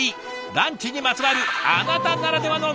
ランチにまつわるあなたならではの何でも自慢。